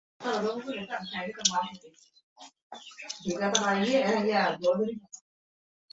ওয়াকার হাসানের জন্ম ঢাকায়।